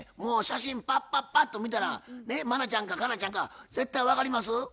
もう写真パッパッパッと見たら茉奈ちゃんか佳奈ちゃんか絶対分かります？